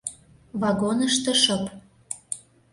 Вагонышто шып.